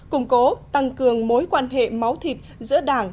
cùng cố tăng cường mối quan hệ máu thịt giữa đảng và chính trị